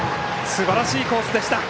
すばらしいコースでした。